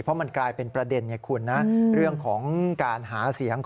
เพราะมันกลายเป็นประเด็นไงคุณนะเรื่องของการหาเสียง